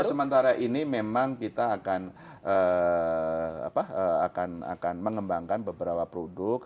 sementara ini memang kita akan mengembangkan beberapa produk